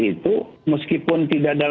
itu meskipun tidak ada